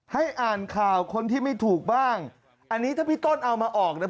ให้อ่านข่าวคนที่ไม่ถูกบ้างอันนี้ถ้าพี่ต้นเอามาออกเนี่ย